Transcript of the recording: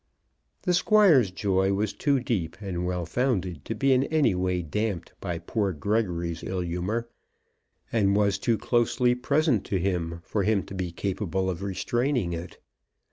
The Squire's joy was too deep and well founded to be in any way damped by poor Gregory's ill humour, and was too closely present to him for him to be capable of restraining it.